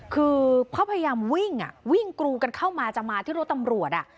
คือเขาพยายามวิ่งวิ่งกรูกันเข้ามาจะมาที่รถตำรวจ